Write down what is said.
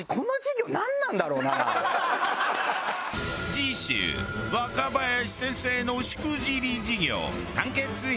次週若林先生のしくじり授業完結編。